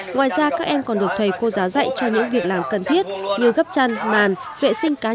ngoài ra các em còn được thầy cô giáo dạy cho những việc làm cần thiết như gấp chăn màn vệ sinh cá nhân